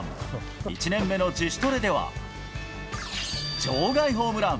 １年目の自主トレでは、場外ホームラン。